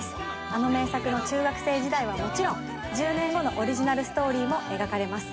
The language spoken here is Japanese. あの名作の中学生時代はもちろん１０年後のオリジナルストーリーも描かれます。